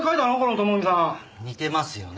似てますよね？